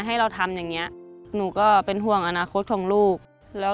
หลุมขึ้นอีกวันนึงคือ